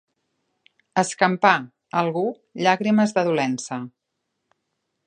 Escampar, algú, llàgrimes de dolença.